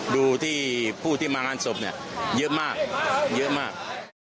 ดูที่ผู้ที่มางานศพเนี่ยเยอะมากเยอะมาก